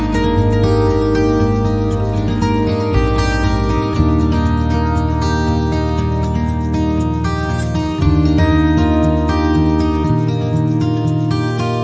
โปรดติดตามตอนต่อไป